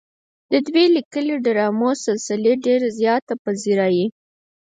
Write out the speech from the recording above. د دوي ليکلې ډرامو سلسلې ډېره زياته پذيرائي